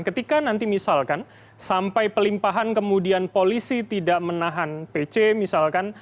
ketika nanti misalkan sampai pelimpahan kemudian polisi tidak menahan pc misalkan